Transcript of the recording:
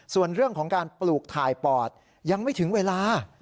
ส่วนเรื่องของการปลูกถ่ายปอดยังไม่ถึงเวลา